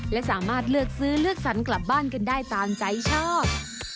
และสามารถเลือกซื้อเลือกสรรกลับบ้านกันได้ตามใจชอบ